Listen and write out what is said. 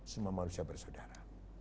semua manusia bersaudara